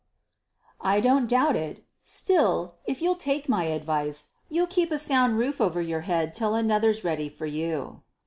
"I don't doubt it: still, if you'll take my advice, you'll keep a sound roof over your head till another's ready for you."